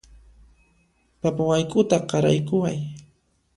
Papa wayk'uta qaraykuway